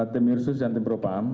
tim irsus dan tim propam